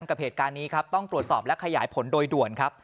กับเหตุการณ์นี้ครับต้องตรวจสอบและขยายผลโดยด่วนครับ